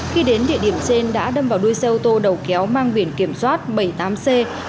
khi đến địa điểm trên đã đâm vào đuôi xe ô tô đầu kéo mang biển kiểm soát bảy mươi tám c năm nghìn một trăm ba mươi